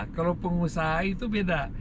kalau pengusaha itu beda